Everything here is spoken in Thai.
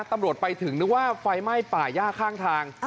ตำรวจไปถึงนึกว่าไฟไหม้ป่าย่าข้างทาง